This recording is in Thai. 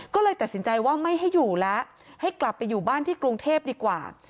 ก็เลยตัดสินใจว่าไม่ให้อยู่แล้วให้กลับไปอยู่บ้านที่กรุงเทพดีกว่า